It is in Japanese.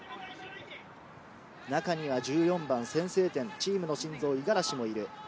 中には１４番、先制点チームの心臓、五十嵐もいる。